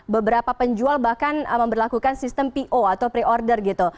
beberapa penjual bahkan memperlakukan sistem po atau pre order gitu